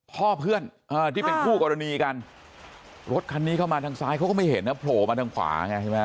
เพื่อนที่เป็นคู่กรณีกันรถคันนี้เข้ามาทางซ้ายเขาก็ไม่เห็นนะโผล่มาทางขวาไงใช่ไหม